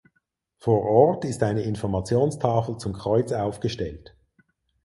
Vor Ort ist eine Informationstafel zum Kreuz aufgestellt.